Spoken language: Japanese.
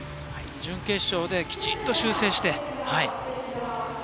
準決勝できちんと修正して。